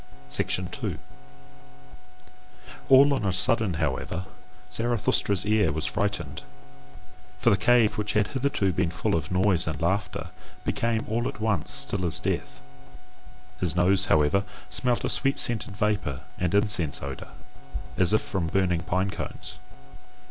2. All on a sudden however, Zarathustra's ear was frightened: for the cave which had hitherto been full of noise and laughter, became all at once still as death; his nose, however, smelt a sweet scented vapour and incense odour, as if from burning pine cones.